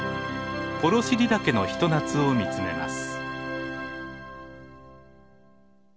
幌尻岳の一夏を見つめます。